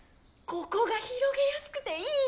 ここが広げやすくていいの！